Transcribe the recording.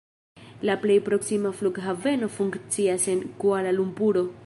La plej proksima flughaveno funkcias en Kuala-Lumpuro.